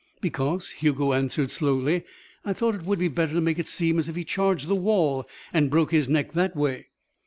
"Because," Hugo answered slowly, "I thought it would be better to make it seem as if he charged the wall and broke his neck that way."